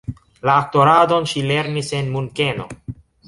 La aktoradon ŝi lernis en Munkeno.